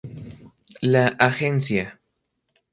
La agencia.